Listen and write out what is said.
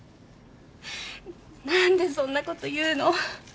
何でそんなこと言うの？